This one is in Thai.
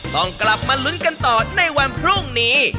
ต้องกลับมาลุ้นกันต่อในวันพรุ่งนี้